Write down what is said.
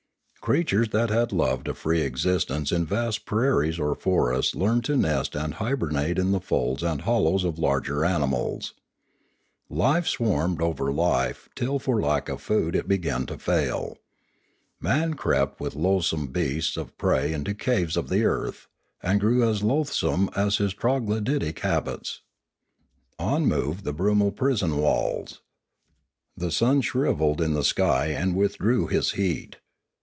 Creatures that had loved a free existence in vast prairies or forests learned to nest and hibernate in the folds and hollows of larger animals. Life swarmed over life Pioneering 467 till for lack of food it began to fail. Man crept with loathsome beasts of prey into caves of the earth, and grew as loathsome in his troglody tic habits. On moved the brumal prison walls. The sun shrivelled in the sky and withdrew his heat.